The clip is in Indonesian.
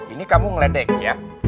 ini kamu ngeledek ya